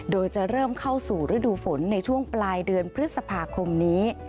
โดยจะเริ่มเข้าสู่ฤดูฝนในช่วงปลายเดือนพฤษภาคมนี้